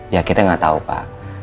ya kita gak tau pak